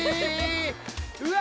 うわ！